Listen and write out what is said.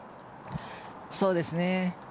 そうですね。